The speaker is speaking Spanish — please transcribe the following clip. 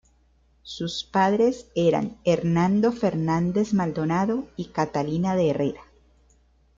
Sus padres eran Hernando Fernández Maldonado y Catalina de Herrera.